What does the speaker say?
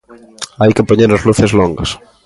Hai que poñer as luces longas.